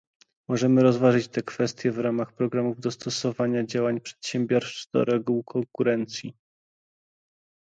Możemy rozważyć tę kwestię w ramach programów dostosowania działań przedsiębiorstw do reguł konkurencji